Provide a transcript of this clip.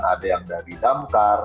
ada yang dari damkar